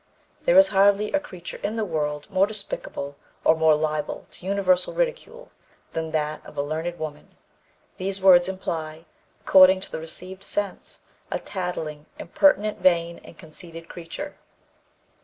There is hardly a creature in the world more despicable or more liable to universal ridicule than that of a learned woman: these words imply, according to the received sense, a tattling, impertinent, vain and conceited creature."